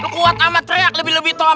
kuat amat seried lebih lebih tokoh